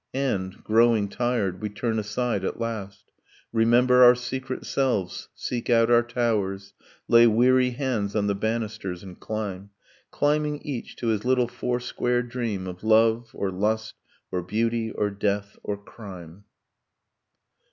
And, growing tired, we turn aside at last, Remember our secret selves, seek out our towers, Lay weary hands on the banisters, and climb; Climbing, each, to his little four square dream Of love or lust or beauty or death or crime.